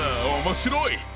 面白い！